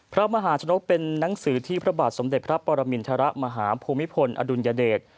พระมหาชนกเป็นนังสือที่พระบาทสมเด็จพระปรมินทรมาหาภูมิพลอดุลยเดช